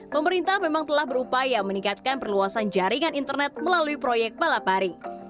pemerintah memang telah berupaya meningkatkan perluasan jaringan internet melalui proyek balaparing